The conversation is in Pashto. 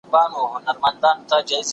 ته پوهیږې د ابا سیوری دي څه سو؟